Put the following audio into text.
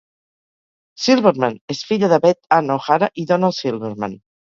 Silverman és filla de Beth Ann O'Hara i Donald Silverman.